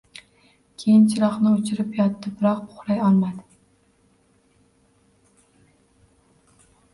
Keyin chiroqni oʻchirib yotdi, biroq uxlay olmadi